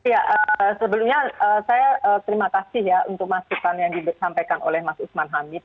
ya sebelumnya saya terima kasih ya untuk masukan yang disampaikan oleh mas usman hamid